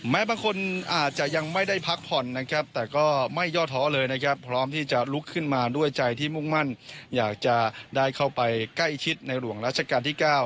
บางคนอาจจะยังไม่ได้พักผ่อนนะครับแต่ก็ไม่ย่อท้อเลยนะครับพร้อมที่จะลุกขึ้นมาด้วยใจที่มุ่งมั่นอยากจะได้เข้าไปใกล้ชิดในหลวงราชการที่๙